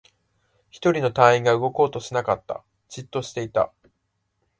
一人の隊員が動こうとしなかった。じっとしていた。